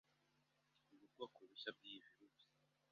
ubu bwoko bushya bw'iyi virus